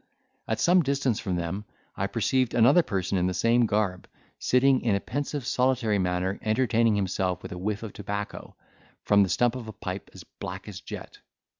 At some distance from them I perceived another person in the same garb, sitting in a pensive solitary manner, entertaining himself with a whiff of tobacco, from the stump of a pipe as black as jet.